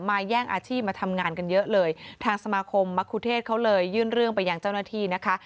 แย่งอาชีพมาทำงานกันเยอะเลยทางสมาคมมะคุเทศเขาเลยยื่นเรื่องไปยังเจ้าหน้าที่นะคะ